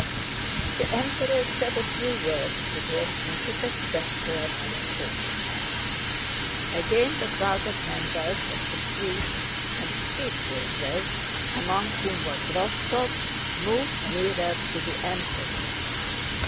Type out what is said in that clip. The Emperor said a few words to him and took a step toward his horse. Again the crowd of members of the suite and street gazers (among whom was Rostóv) moved nearer to the Emperor.